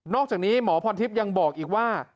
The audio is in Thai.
อกจากนี้หมอพรทิพย์ยังบอกอีกว่า